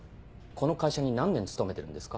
この会社に何年勤めてるんですか？